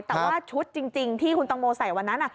แต่ว่าชุดจริงที่คุณตังโมใส่วันนั้น